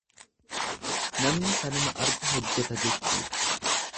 Namni kanuma argu hojjeta jechuudha.